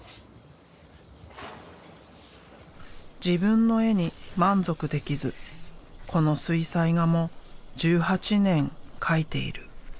自分の絵に満足できずこの水彩画も１８年描いている。